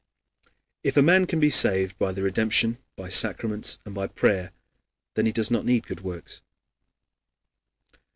If a man can be saved by the redemption, by sacraments, and by prayer, then he does not need good works.